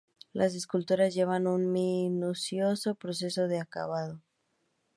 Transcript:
Las esculturas llevan un minucioso proceso de acabado.